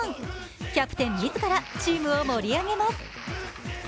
キャプテン自らチームを盛り上げます。